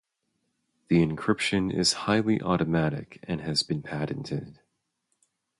The encryption is highly automatic and has been patented.